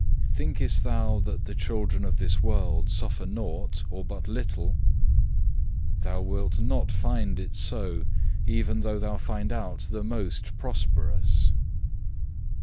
Thinkest thou that the children of this world suffer nought, or but little? Thou wilt not find it so, even though thou find out the most prosperous.